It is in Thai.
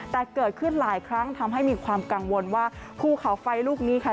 แต่เกิดขึ้นหลายครั้งทำให้มีความกังวลว่าภูเขาไฟลูกนี้ค่ะ